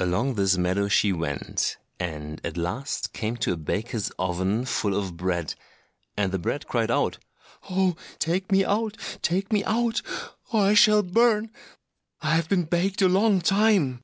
Along this meadow she went, and at last came to a baker's oven full of bread, and the bread cried out, "Oh, take me out! take me out! or I shall burn; I have been baked a long time!"